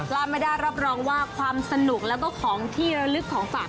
ลาเมดารับรองว่าความสนุกแล้วก็ของที่ระลึกของฝาก